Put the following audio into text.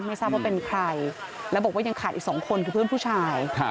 ไม่ทราบว่าเป็นใครแล้วบอกว่ายังขาดอีกสองคนคือเพื่อนผู้ชาย